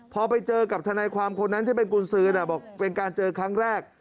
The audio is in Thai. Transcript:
พอไปเจอกับทนายความคนนั้นที่เป็นกุญสือบอกเป็นการเจอครั้งแรก